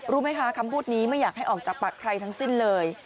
รู้ไหมคะคำพูดนี้ไม่อยากให้ออกจากปากใครทั้งสิ้นเลย